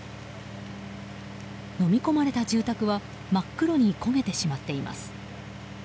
のみ込まれた住宅は真っ黒に焦げてしまっています。